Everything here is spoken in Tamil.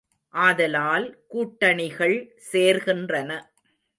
ஆதலால் கூட்டணிகள் சேர்கின்றன.